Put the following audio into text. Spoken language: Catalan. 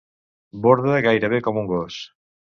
Borda gairebé com un gos.